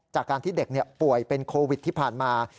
จากการที่เด็กป่วยเป็นโควิดที่ผ่านมา